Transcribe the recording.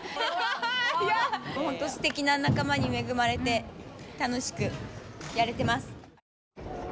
すてきな仲間に恵まれて楽しくやれてます。